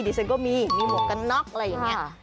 ฉันก็มีมีหมวกกันน็อกอะไรอย่างนี้